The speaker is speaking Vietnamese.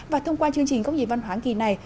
và thông qua chương trình cốc nhìn văn hóa kỳ này